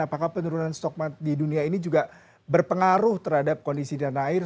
apakah penurunan stok di dunia ini juga berpengaruh terhadap kondisi dana air